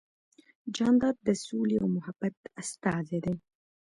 جانداد د سولې او محبت استازی دی.